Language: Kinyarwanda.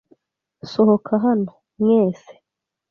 Sohoka hano! Mwese!